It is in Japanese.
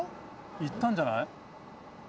いったんじゃない？